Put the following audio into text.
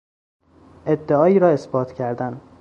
ادعایی را اثبات کردن